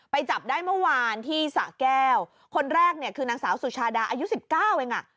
จับได้เมื่อวานที่สะแก้วคนแรกเนี่ยคือนางสาวสุชาดาอายุสิบเก้าเองอ่ะ